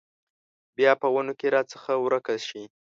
بیا په ونو کې راڅخه ورکه شي